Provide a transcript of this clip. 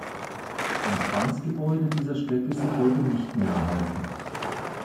Empfangsgebäude dieser Strecke sind heute nicht mehr erhalten.